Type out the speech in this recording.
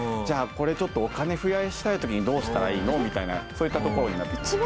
これちょっとお金増やしたい時にどうしたらいいの？みたいなそういったところに。